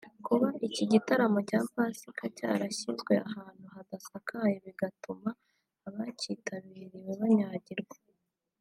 Kuba iki gitaramo cya Pasika cyarashyizwe ahantu hadasakaye bigatuma abakitabiriye banyagirwa